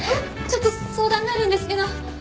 ちょっと相談があるんですけど。